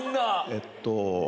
えっと